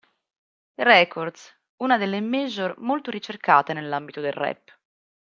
Records, una delle major molto ricercate nell'ambito del rap.